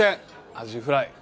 アジフライ。